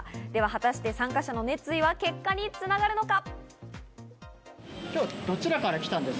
果たして参加者の熱意は結果に繋がるのか？